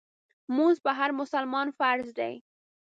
مونځ په هر مسلمان فرض دی